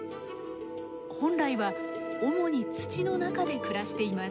本来は主に土の中で暮らしています。